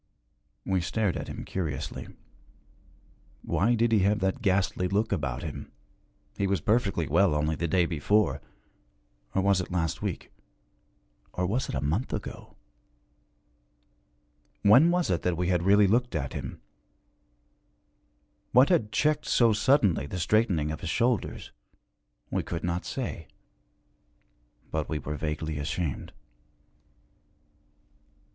We stared at him curiously. Why did he have that ghastly look about him? He was perfectly well only the day before or was it last week or was it a month ago? When was it that we had really looked at him? What had checked so suddenly the straightening of his shoulders? We could not say. But we were vaguely ashamed.